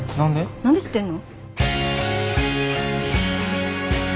何で知ってんの？